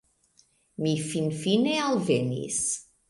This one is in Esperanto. - Mi finfine alvenis